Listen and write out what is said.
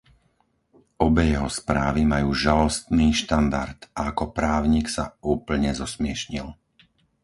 Obe jeho správy majú žalostný štandard, a ako právnik sa úplne zosmiešnil.